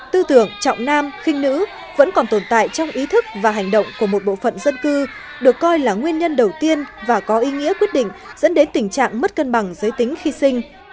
tư tưởng trọng nam khinh nữ vẫn còn tồn tại trong ý thức và hành động của một bộ phận dân cư được coi là nguyên nhân đầu tiên và có ý nghĩa quyết định dẫn đến tình trạng mất cân bằng giới tính khi sinh